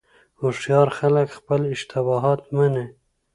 هوښیار خلک خپل اشتباهات مني.